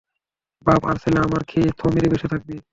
বাপ আর ছেলে আমার খেয়ে থ মেরে বসে থাকবি।